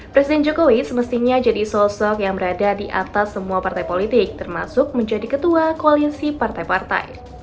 presiden jokowi semestinya jadi sosok yang berada di atas semua partai politik termasuk menjadi ketua koalisi partai partai